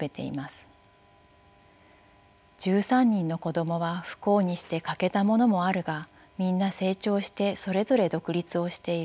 「１３人の子供は不幸にして欠けた者もあるがみんな成長してそれぞれ独立をしている。